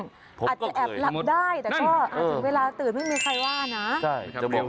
อาจจะแอบหลับได้แต่ก็ถึงเวลาตื่นไม่มีใครว่านะ